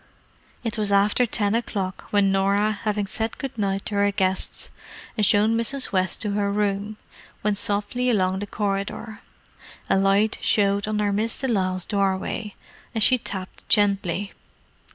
It was after ten o'clock when Norah, having said good night to her guests and shown Mrs. West to her room, went softly along the corridor. A light showed under Miss de Lisle's doorway, and she tapped gently.